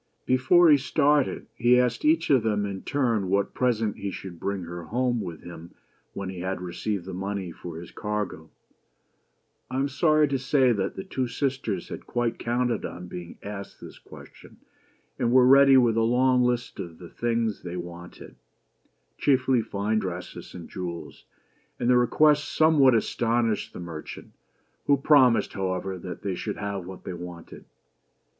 Before he started, he asked each of them in turn what present he should bring her home with him when he had received the money for his cargo. I am sorry to say that 89 BEAUTY AND THE BEAST. the two sisters had quite counted on being asked this ques tion, and were ready with a long list of the things they wanted, chiefly fine dresses and jewels; and their requests somewhat astonished the merchant, who promised, however, that they should have what they wanted.